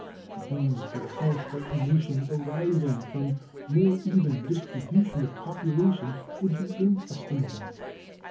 The gain to the health of the nation arising from more even distribution of population would be inestimable.